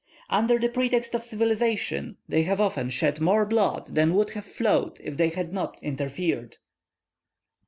Under the pretext of civilization, they have often shed more blood than would have flowed if they had not interfered.